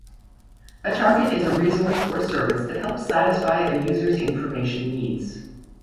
A target is a resource or service that helps satisfy a user's information needs.